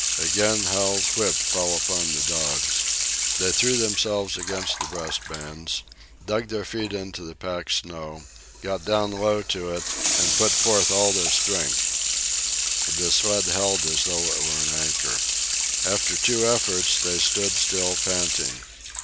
Again Hal's whip fell upon the dogs. They threw themselves against the breast bands, dug their feet into the packed snow, got down low to it, and put forth all their strength. The sled held as though it were an anchor. After two efforts, they stood still, panting.